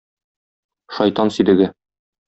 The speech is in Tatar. Шайтан сидеге.